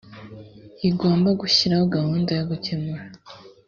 igomba gushyiraho gahunda yo gukemura